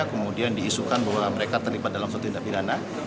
kemudian diisukan bahwa mereka terlibat dalam satu tindak dirana